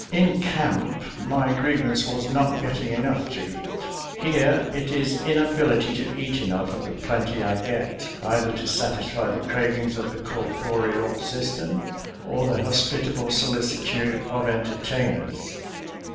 In camp my grievance was not getting enough to eat; here, it is inability to eat enough of the plenty I get, either to satisfy the cravings of the corporeal FEASTS AND FEATHER BEDS 273 system or the hospitable solicitude of entertain ers.